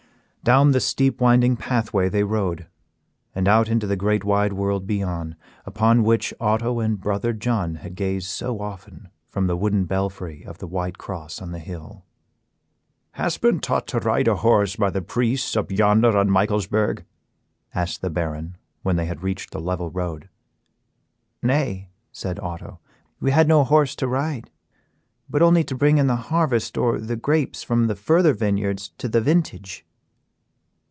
Down the steep winding pathway they rode, and out into the great wide world beyond, upon which Otto and brother John had gazed so often from the wooden belfry of the White Cross on the hill. "Hast been taught to ride a horse by the priests up yonder on Michaelsburg?" asked the Baron, when they had reached the level road. "Nay," said Otto; "we had no horse to ride, but only to bring in the harvest or the grapes from the further vineyards to the vintage."